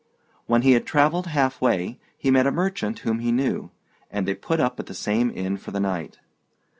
When he had travelled half way, he met a merchant whom he knew, and they put up at the same inn for the night.